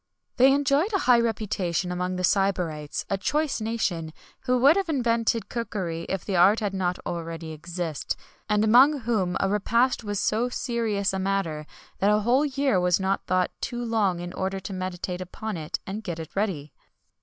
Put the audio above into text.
[XXI 127] They enjoyed a high reputation among the Sybarites, a choice nation, who would have invented cookery if the art had not already existed, and among whom a repast was so serious a matter, that a whole year was not thought too long in order to meditate upon it and get it ready.